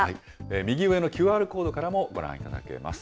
右上のＱＲコードからもご覧いただけます。